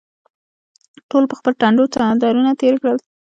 ټولو پر خپلو ټنډو څادرونه تېر کړل.